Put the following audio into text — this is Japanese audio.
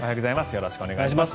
よろしくお願いします。